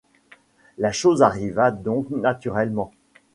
La chose arriva donc, naturellement.